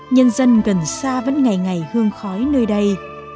nhân dân gần xa vẫn ngày ngày hương khói nơi đây